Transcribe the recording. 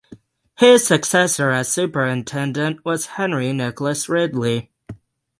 His successor as superintendent was Henry Nicholas Ridley.